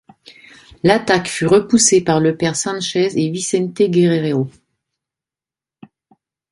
L'attaque fut repoussée par le Père Sanchez et Vicente Guerrero.